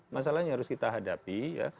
masalah yang harus kita hadapi